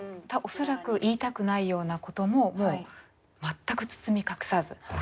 恐らく言いたくないようなことももう全く包み隠さず１００％